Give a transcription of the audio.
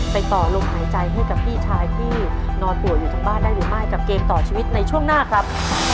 ต่อลมหายใจให้กับพี่ชายที่นอนป่วยอยู่ทางบ้านได้หรือไม่กับเกมต่อชีวิตในช่วงหน้าครับ